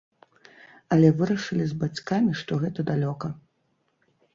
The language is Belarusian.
Але вырашылі з бацькамі, што гэта далёка.